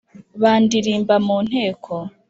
bandirimba mu nteko